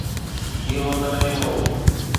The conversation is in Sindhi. اهو تڏهن هو.